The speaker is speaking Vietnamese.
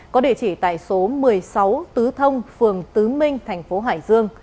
có địa chỉ tại số một mươi sáu tứ thông phường tứ minh thành phố hải dương